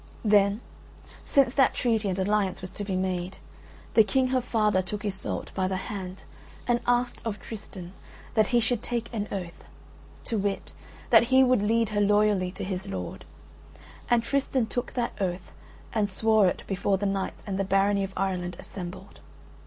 Then, since that treaty and alliance was to be made, the King her father took Iseult by the hand and asked of Tristan that he should take an oath; to wit that he would lead her loyally to his lord, and Tristan took that oath and swore it before the knights and the Barony of Ireland assembled.